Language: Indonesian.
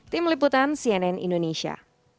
tim liputan cnn indonesia